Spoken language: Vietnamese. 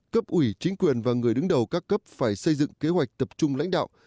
cấp ủy chính quyền và người đứng đầu các cấp phải xây dựng kế hoạch tập trung lãnh đạo